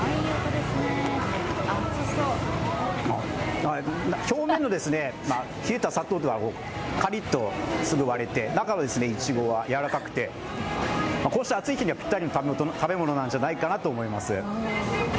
あっ、表面の冷えた砂糖はカリッとすぐ割れて中のいちごはやわらかくて、こうした暑い日にはぴったりの食べ物なんじゃないかと思います。